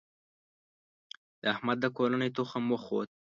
د احمد د کورنۍ تخم وخوت.